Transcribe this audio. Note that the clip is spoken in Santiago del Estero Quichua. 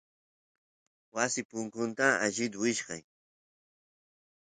wasi punku alli wichkasq